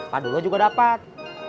padula juga dapat